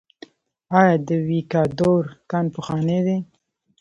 آیا د ویکادور کان پخوانی دی؟